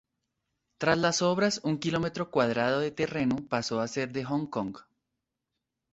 Tras las obras, un kilómetro cuadrado de terreno pasó a ser de Hong Kong.